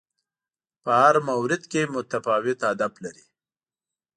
په هر مورد کې متفاوت هدف لري